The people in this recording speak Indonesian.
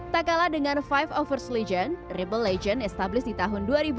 tak kalah dengan lima ratus satu st legion rebel legends established di tahun dua ribu